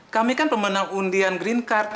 kamu kan pemenang undian greencard